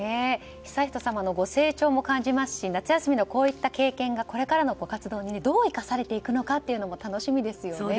悠仁さまのご成長も感じますし夏休みのこういった経験がこれからのご活動にどう生かされていくのかも楽しみですよね。